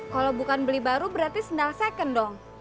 kalo bukan beli baru berarti sendal second dong